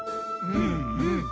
うんうん。